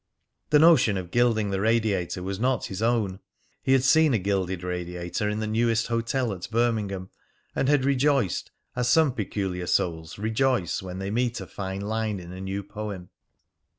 The notion of gilding the radiator was not his own; he had seen a gilded radiator in the newest hotel at Birmingham, and had rejoiced as some peculiar souls rejoice when they meet a fine line in a new poem.